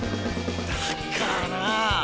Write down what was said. だからァ！